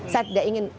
saya tidak ingin